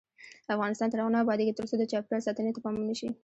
افغانستان تر هغو نه ابادیږي، ترڅو د چاپیریال ساتنې ته پام ونشي.